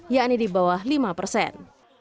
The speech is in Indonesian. yakni di bawah lima persen